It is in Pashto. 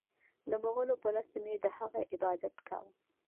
د مغولو په رسم یې د هغه عبادت کاوه.